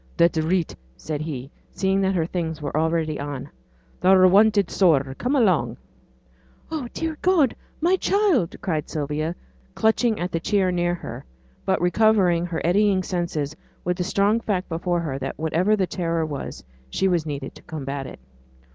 'That's reet,' said he, seeing that her things were already on. 'Thou're wanted sore. Come along.' 'Oh! dear God! my child!' cried Sylvia, clutching at the chair near her; but recovering her eddying senses with the strong fact before her that whatever the terror was, she was needed to combat it.